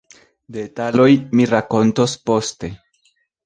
Detalojn mi rakontos poste.